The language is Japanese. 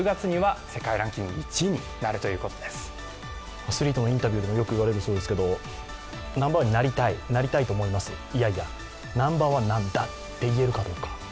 アスリートのインタビューでもよく言われるそうですけど、ナンバーワンになりたい、なりたいと思います、いやいや、ナンバーワンだと言えるかどうか。